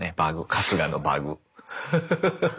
春日のバグ。